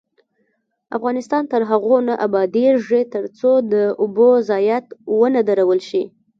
افغانستان تر هغو نه ابادیږي، ترڅو د اوبو ضایعات ونه درول شي.